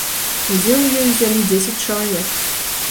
Удзел у ёй узялі дзесяць чалавек.